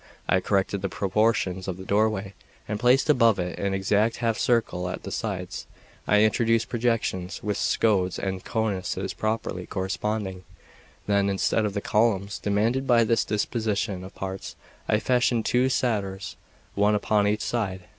I corrected the proportions of the doorway, and placed above it an exact half circle; at the sides I introduced projections, with socles and cornices properly corresponding: then, instead of the columns demanded by this disposition of parts, I fashioned two satyrs, one upon each side.